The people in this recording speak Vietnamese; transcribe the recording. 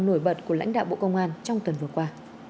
nổi bật của lãnh đạo bộ công an trong tuần vừa qua